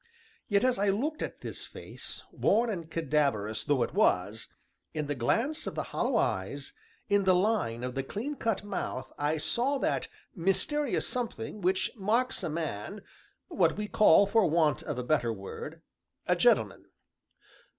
Yet, as I looked at this face, worn and cadaverous though it was, in the glance of the hollow eyes, in the line of the clean cut mouth I saw that mysterious something which marks a man, what we call for want of a better word, a gentleman.